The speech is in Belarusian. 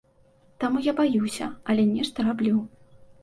Таму я баюся, але нешта раблю.